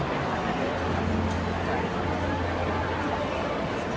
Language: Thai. ก็ใช่ครับ